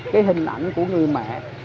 cái hình ảnh của người mẹ